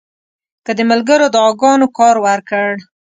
که د ملګرو دعاګانو کار ورکړ.